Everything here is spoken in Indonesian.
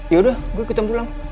yaudah gua ikutin pulang